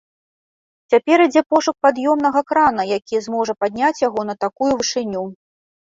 Цяпер ідзе пошук пад'ёмнага крана, які зможа падняць яго на такую вышыню.